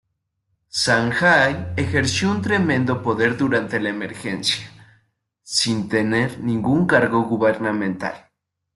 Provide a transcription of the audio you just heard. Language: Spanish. Sanjay ejerció un tremendo poder durante La Emergencia sin tener ningún cargo gubernamental.